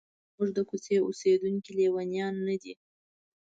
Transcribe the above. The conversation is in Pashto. زموږ د کوڅې اوسیدونکي لیونیان نه دي.